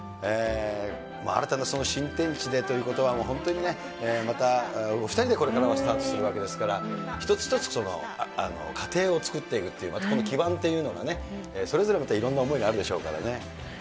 新たな新天地でということは、本当にね、またお２人でこれからはスタートするわけですから、一つ一つ、家庭を作っていくっていう、またこの基盤というのがね、それぞれまたいろんな思いがあるでしょうからね。